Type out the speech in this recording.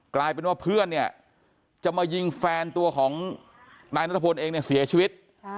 กลายเป็นว่าเพื่อนเนี่ยจะมายิงแฟนตัวของนายนัทพลเองเนี่ยเสียชีวิต